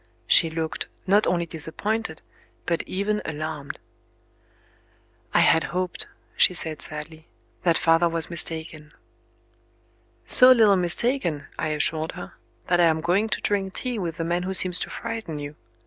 She looked, not only disappointed, but even alarmed. "I had hoped," she said sadly, "that father was mistaken." "So little mistaken," I assured her, "that I am going to drink tea with the man who seems to frighten you.